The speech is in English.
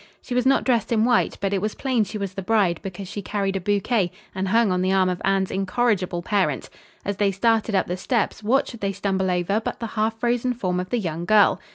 She was not dressed in white, but it was plain she was the bride because she carried a bouquet and hung on the arm of Anne's incorrigible parent. As they started up the steps, what should they stumble over but the half frozen form of the young girl!